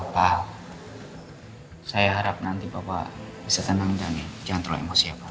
pak saya harap nanti bapak bisa tenang dan jangan terlalu emosi ya pak